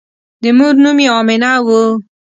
د مور نوم یې آمنه وه.